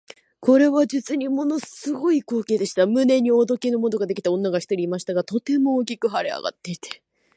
これは実にもの凄い光景でした。胸におできのできた女が一人いましたが、とても大きく脹れ上っていて、